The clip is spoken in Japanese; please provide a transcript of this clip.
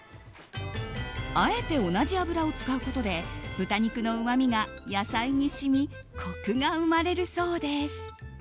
あえて同じ油を使うことで豚肉のうまみが野菜に染みコクが生まれるそうです。